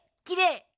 きれい！